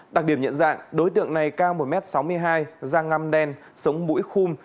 đặc điểm nhận dạng đối tượng này cao một m sáu mươi hai da ngăm đen sống mũi khum